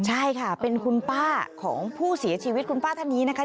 ใช่ค่ะเป็นคุณป้าของผู้เสียชีวิตคุณป้าท่านนี้นะคะ